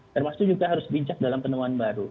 termasuk juga harus bijak dalam penemuan baru